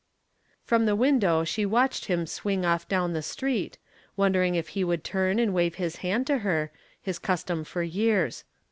From the window she watched him swing off down the street, wondering if he would turn to wave his hand to her, his custom for years.